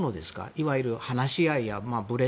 いわゆる話し合いなど。